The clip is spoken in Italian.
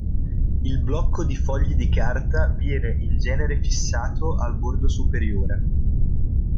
Il blocco di fogli di carta viene in genere fissato al bordo superiore.